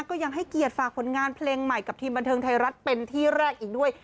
ก็ยังให้เกียรติฝากผลงานเพลงใหม่กับทีมบันเทิงไทยรัฐเป็นที่แรกอีกด้วย